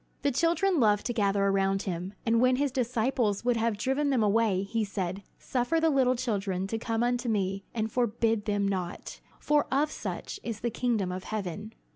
The children loved to gather around him, and when his disciples would have driven them away he said, "Suffer the little children to come unto me and forbid them not, for of such is the kingdom of heaven."